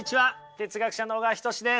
哲学者の小川仁志です。